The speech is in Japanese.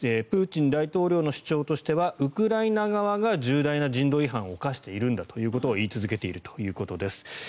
プーチン大統領の主張としてはウクライナ側が重大な人道違反を犯しているんだということを言い続けているということです。